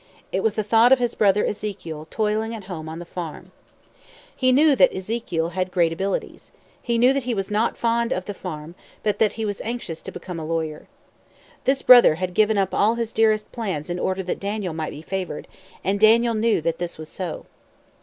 It was the thought of his brother Ezekiel toiling at home on the farm. He knew that Ezekiel had great abilities. He knew that he was not fond of the farm, but that he was anxious to become a lawyer. This brother had given up all his dearest plans in order that Daniel might be favored; and Daniel knew that this was so.